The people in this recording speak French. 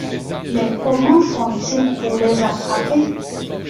Mais comment font-ils pour les attraper?